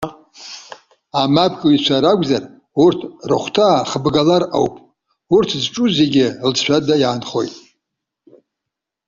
Амапкыҩцәа ракәзар, урҭ рыхәҭаа хыбгалар ауп. Урҭ зҿу зегьы лҵшәада иаанхоит.